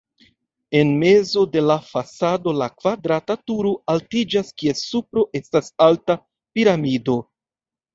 En mezo de la fasado la kvadrata turo altiĝas, kies supro estas alta piramido.